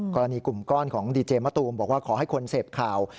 กรณีกลุ่มก้อนของดีเจมะตูมบอกว่าขอให้คนเสพข่าว